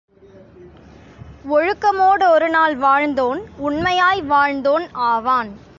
ஒழுக்கமோ டொருநாள் வாழ்ந்தோன் உண்மையாய் வாழ்ந்தோன் ஆவான்.